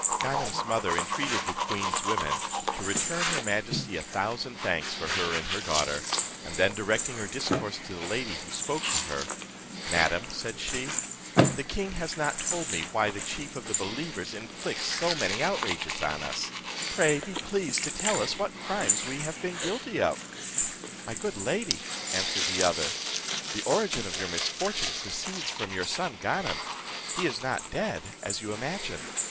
Ganem's mother entreated the queen's women to return her majesty a thousand thanks from her and her daughter, and then directing her discourse to the lady who spoke to her, "Madam," said she, "the king has not told me why the chief of the believers inflicts so many outrages on us: pray be pleased to tell us what crimes we have been guilty of." "My good lady," answered the other, "the origin of your misfortunes proceeds from your son Ganem. He is not dead, as you imagine.